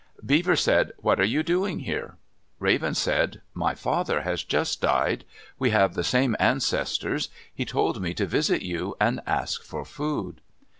Beaver said, "What are you doing here?" Raven said, "My father has just died. We have the same ancestors. He told me to visit you and ask for food."